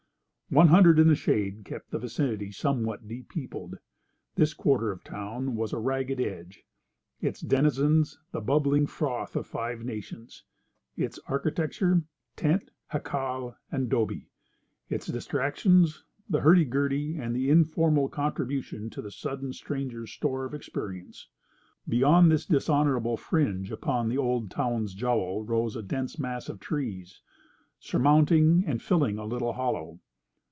One hundred in the shade kept the vicinity somewhat depeopled. This quarter of the town was a ragged edge; its denizens the bubbling froth of five nations; its architecture tent, jacal, and 'dobe; its distractions the hurdy gurdy and the informal contribution to the sudden stranger's store of experience. Beyond this dishonourable fringe upon the old town's jowl rose a dense mass of trees, surmounting and filling a little hollow.